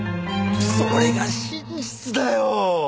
それが真実だよ。